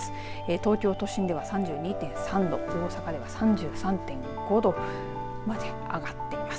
東京都心では３２．３度大阪では３３．５度まで上がっています。